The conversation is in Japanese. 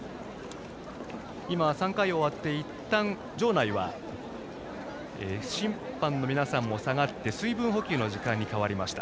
３回を終わって、いったん場内は審判の皆さんも下がって水分補給の時間に変わりました。